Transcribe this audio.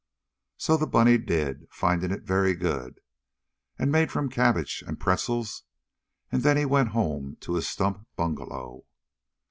So the bunny did, finding it very good, and made from cabbage and pretzels and then he went home to his stump bungalow.